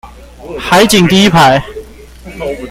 海景第一排